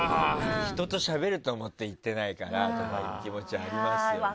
人としゃべると思って行ってないから気持ちありますよね。